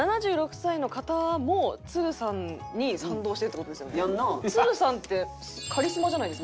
７６歳の方もつるさんに賛同してるって事ですよね？